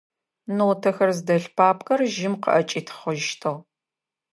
Нотэхэр зыдэлъ папкэр жьым къыӏэкӏитхъыщтыгъ.